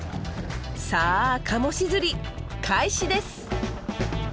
さあカモシ釣り開始です！